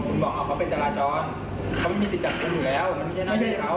คุณบอกว่าเขาเป็นจาราจรเขาไม่มีติดจัดคุณอยู่แล้วมันไม่ใช่น้ำให้เขา